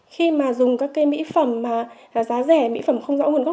khi mà dùng các cái mỹ phẩm giá rẻ mỹ phẩm không rõ nguồn gốc